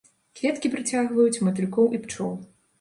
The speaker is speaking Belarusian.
Кветкі прыцягваюць матылькоў і пчол.